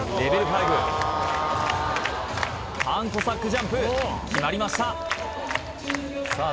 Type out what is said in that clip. ５ターンコサックジャンプ決まりましたさあ